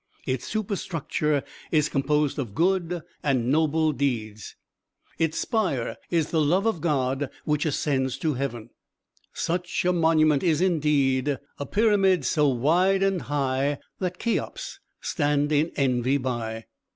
Its superstructure is composed of good and noble deeds. Its spire is the love of God which ascends to Heaven." Such a monument is, indeed, "A Pyramid so wide and high That Cheops stand in envy by."